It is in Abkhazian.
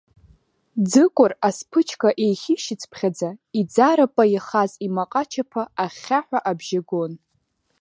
Ӡыкәыр асԥычка еихьишьыцыԥхьаӡа, иӡара-па иахаз имаҟа-чаԥа ахьхьаҳәа абжьы гон.